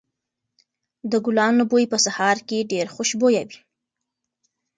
د ګلانو بوی په سهار کې ډېر خوشبويه وي.